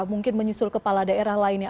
mungkin menyusul kepala daerah lainnya